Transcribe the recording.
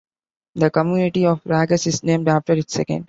The community of Ragas is named after its second.